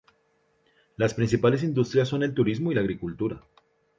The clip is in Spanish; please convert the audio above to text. Las principales industrias son el turismo y la agricultura.